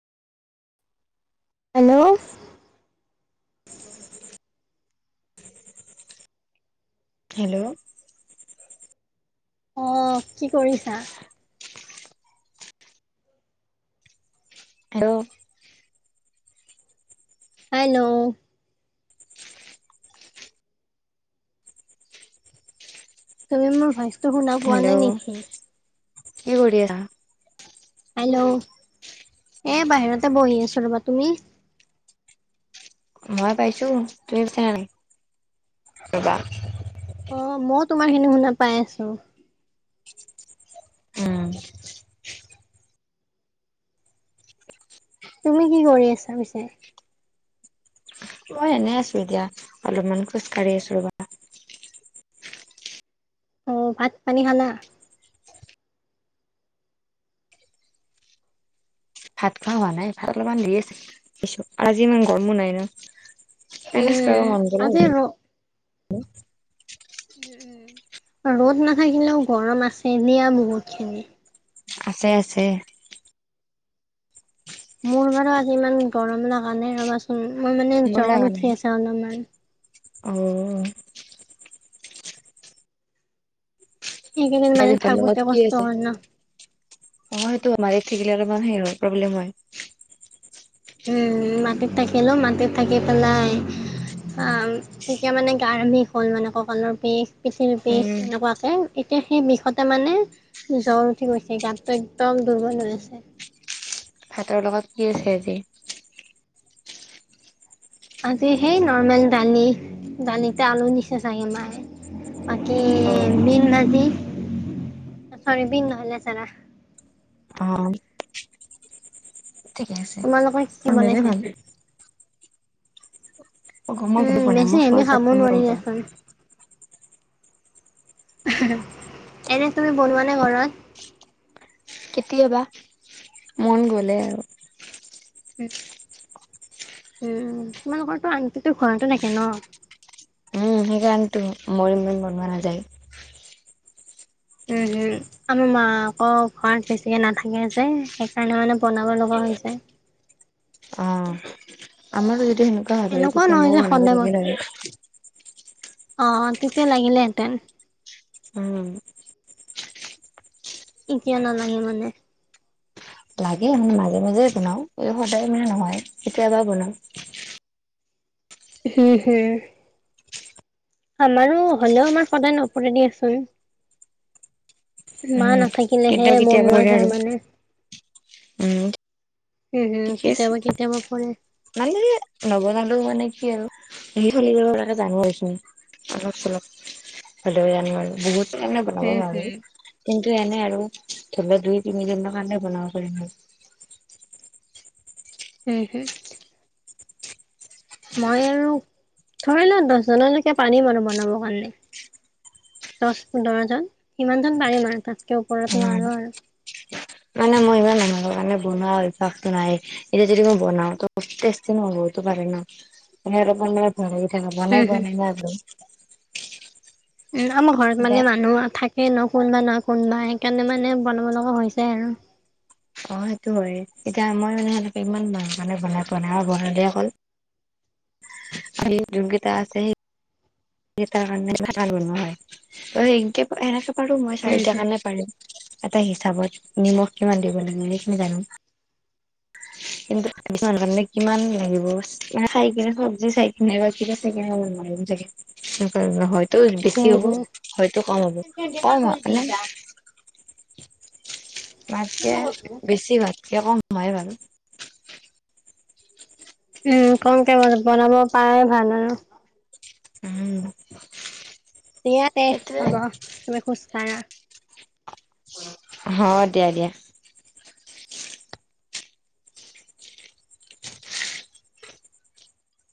Hello. [unintelligible] Hello অ কি কৰিছা হেল্ল হেল্ল' তুমি মোৰ ভইচ হেল্ল' কি কৰি আছা হেল্ল' এ বাহিৰতে বহি আছো ৰ'বা তুমি মই পাইছো তুমি পাইছা নে নাই ৰবা অ মই তোমাৰ খিনি শুনা পাই আছো উম তুমি কি কৰি আছা পিছে মই এনে আছো এতিয়া অলপমান খোজ কাঢ়ি আছো ৰ'বা অ ভাত পানী খালা ভাত খোৱা হোৱা নাই ভাত অলপমান ডেৰি আছে কিছু আৰু আজি ইমান গৰমো নাই না [unintelligible] উম আজি ৰ [unintelligible] ৰ'দ নাথাকিলেও গৰম আছে দিয়া বহুত খিনি আছে আছে মোৰ বাৰু আজি ইমান গৰম লগা নাই ৰ'বাচোন মই মানে মোৰ লগা জ্বৰ নাই উঠি আছে অলপমান অ এইকেইদিন আজি মানে ভাতৰ লগত থাকোতে কি কষ্ট আছে হয় না অ সেইটো মাৰিত থাকিলে অলপমান শিৰৰ প্ৰব্লেম হয়। উম মাটিত থাকিলো মাটিত থাকি পেলাই অ তেতিয়া মানে গাৰ বিষ হ'ল মানে ককালৰ বিষ, পিঠিৰ বিষ উম এনেকুৱা এতিয়া সেই বিষতে মানে জ্বৰ উঠি গৈছে গাতটো একদম দুৰ্বল হৈ আছে ভাতৰ লগত কি আছে, আজি আজি সেই নৰ্মেল দালি দালিতে আলু দিছে চাগে মায়ে বাকী অ দিম ভাজি ছয়াবিন নহ'লে চানা। অ ঠিকে আছে তোমালোকৰ আৰু কি তোমাৰে বনাইছে ভাল উম [inaudible] বেছি হেভি খাব [unintelligible] নোৱাৰি দিয়াচোন [unintelligible] এনে তুমি বনোৱা নে ঘৰত কেতিয়াবা মন গ'লে আৰু হু [unintelligible] উম তোমালোকৰ তো আনটিটো ঘৰতে থাকে ন উম সেইকাৰণেতো মই ইমান বনোৱা নাযায় উম হুম আমাৰ মা আকৌ ঘৰত বেছিকে নাথাকে যে সেইকাৰণে মানে বনাব লগা হৈছে অ আমাৰো যদি সেনেকুৱা ভাল হয় এনেকুৱা তেতিয়া নহয় মইও যে বনাব সদায় বন লাগিলহেঁতেন অ তেতিয়া লাগিলে হেতেন উম এতিয়া নালাগে মানে লাগে মে মাজে মাজে বনাও এই সদায় মানে নহয় কেতিয়াবা বনাও। হে হে আমাৰো হ'লেও আমাৰ সদায় নপৰে দিয়াচোন। মা উম নাথাকিলেহে কেতিয়াবা কেতিয়াবা বনোৱা কৰে যায় আৰু মানে। উম উম হুম কেতিয়াবা কেতিয়াবা পৰে। মানে নবনালেও মানে কি আৰু হেৰি কৰি তাকে ডাঙৰ হৈছোঁ। অলপ চলপ হলেও আনো আৰু বহুত কাৰণে বনাব হুম হুম নোৱাৰো কিন্তু এনে আৰু ধৰি লোৱা দুই তিনিজননৰ কাৰণে বনাব পাৰিম। আৰু হেহেত মই আৰু ধৰি লোৱা দহজনলৈকে পাৰিম আৰু বনাবৰ কাৰণে- দহ পোন্ধৰজন সিমানজন পাৰিম আৰু তাতকৈ ওপৰত উম নোৱাৰোঁ। আৰু কাৰণে বনোৱা অভ্যাসটো নাইে এতিয়া যদি মই বনাও তেষ্টি নহব পাৰে ন। আপুনি দেখোন বনাই থাক উম বনাই হম বনাই একদম উ আমাৰ ঘৰত মানে এতিয়া মানুহ থাকে ন কোনোবা নহয় কোনবাই। কেনে মানে বনাব লগা হৈছে যায় আৰু অ সেইটো হয় এতিয়া মই মানে সেনেকে ইমান মানুহ কাৰণে বনাই পোৱা নাই। আৰু বনালে অকল সেই জোনকিতা আছে। কাৰণে ভ বনোৱা হয়। একে এেনেকে পাৰো মই চাৰিাৰ উম হুম। কাৰণে পাৰি। এটা হিচাপত নিমখ কিমান দিব লাগে সেইখিনি জানো। [inaudible] কিন্তু কাৰণে কিমান লাগিব চাই কিনে চব্জি চাই কিনে বা কি নোৱাৰিম চাগে। তেনেকে বাৰু হয়। তটো হুম বেছি হ'ব হুম হয়তো কম হ'ব কম মানে। ভাতকে বেছি ভাতকে কম হয় বাৰু উম কমকে বনাব পাই ভাল আৰু উম তেয়াতে সেইটোৱে হ'ব তুমি খোজকাঢ়া। হ দিয়া দিয়া।